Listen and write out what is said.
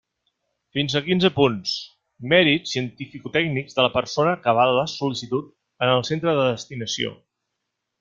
Fins a quinze punts: mèrits cientificotècnics de la persona que avala la sol·licitud en el centre de destinació.